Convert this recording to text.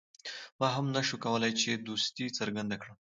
ما هم نه شو کولای چې دوستي څرګنده کړم.